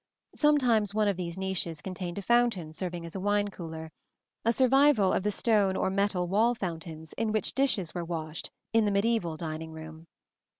Sometimes one of these niches contained a fountain serving as a wine cooler a survival of the stone or metal wall fountains in which dishes were washed in the mediæval dining room.